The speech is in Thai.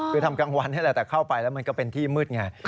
คือทำกลางวันอาจจะเข้าไปแล้วมันก็เป็นที่มืด